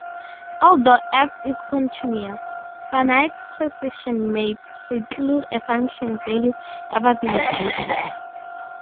Although "f" is continuous, finite precision may preclude a function value ever being zero.